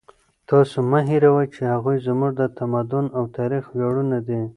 تاسو مه هېروئ چې هغوی زموږ د تمدن او تاریخ ویاړونه دي.